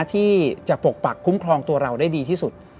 ที่จะปกปักคุ้มครองตัวเราได้ดีที่สุด